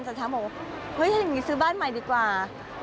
อาจารย์ช้างบอกว่าถ้าอย่างนี้ซื้อบ้านใหม่ดีกว่า